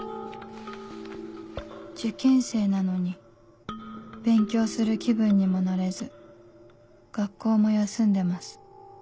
「受験生なのに勉強する気分にもなれず学校も休んでます」